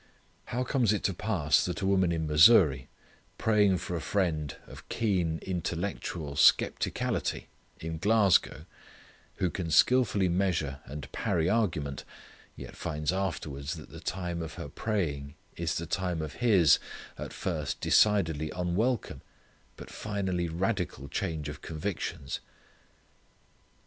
How comes it to pass that a woman in Missouri praying for a friend of keen intellectual skeptically in Glasgow, who can skillfully measure and parry argument, yet finds afterwards that the time of her praying is the time of his, at first decidedly unwelcome, but finally radical change of convictions!